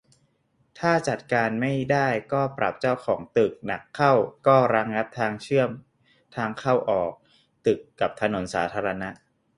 ถ้าจัดการไม่ได้ก็ปรับเจ้าของตึก หนักเข้าก็ระงับการเชื่อมทางเข้าออกตึกกับถนนสาธารณะ